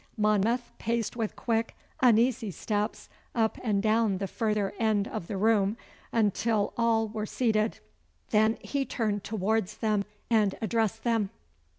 Monmouth paced with quick uneasy steps up and down the further end of the room until all were seated, when he turned towards them and addressed them.